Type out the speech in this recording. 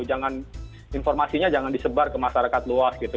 jangan informasinya jangan disebar ke masyarakat luas gitu